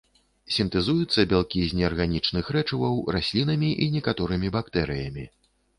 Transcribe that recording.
Сінтэзуюцца бялкі з неарганічных рэчываў раслінамі і некаторымі бактэрыямі.